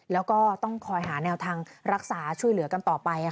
แล้วก็ต้องคอยหาแนวทางรักษาช่วยเหลือกันต่อไป